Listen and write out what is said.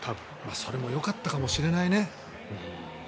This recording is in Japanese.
それもよかったかもしれないね。